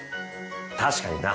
確かにな。